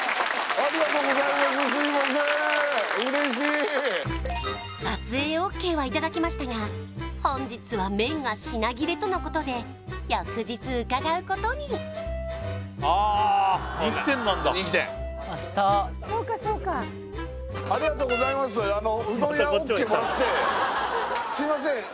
ありがとうございますすいません嬉しい撮影ＯＫはいただきましたが本日は麺が品切れとのことで翌日伺うことにあー人気店なんだ人気店ありがとうございますうどん屋ＯＫもらってすいません